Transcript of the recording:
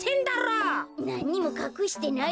なんにもかくしてないよ。